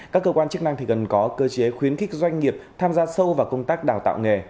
các cơ quan chức năng cần có cơ chế khuyến khích doanh nghiệp tham gia sâu vào công tác đào tạo nghề